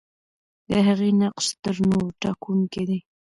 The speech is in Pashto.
د هغې نقش تر نورو ټاکونکی دی.